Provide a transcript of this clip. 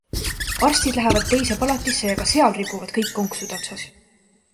Arstid lähevad teise palatisse ja ka seal ripuvad kõik konksude otsas.